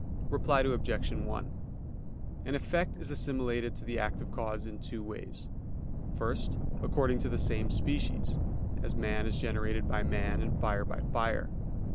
Reply Obj. 1: An effect is assimilated to the active cause in two ways. First, according to the same species; as man is generated by man, and fire by fire.